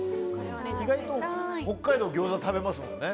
意外と北海道はギョーザ食べますもんね。